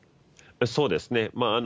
そうですね。